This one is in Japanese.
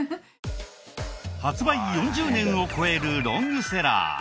発売４０年を超えるロングセラー。